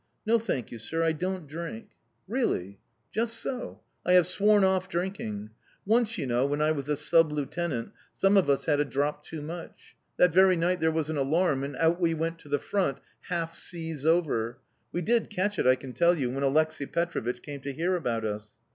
"No, thank you, sir; I don't drink." "Really?" "Just so. I have sworn off drinking. Once, you know, when I was a sub lieutenant, some of us had a drop too much. That very night there was an alarm, and out we went to the front, half seas over! We did catch it, I can tell you, when Aleksei Petrovich came to hear about us!